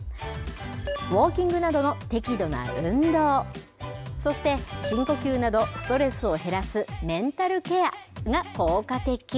ウォーキングなどの適度な運動、そして、深呼吸などストレスを減らすメンタルケアが効果的。